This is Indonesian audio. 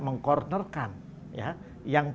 mengkornarkan ya yang